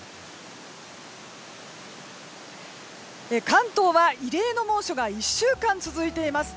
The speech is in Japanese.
関東は異例の猛暑が１週間続いています。